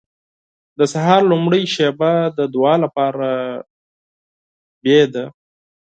• د سهار لومړۍ شېبه د دعا لپاره غوره ده.